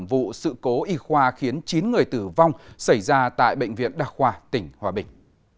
vụ sự cố y khoa khiến chín người tử vong xảy ra tại bệnh viện đặc khoa tỉnh hòa bình